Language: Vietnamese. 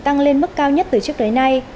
tăng lên mức cao nhất từ trước tới nay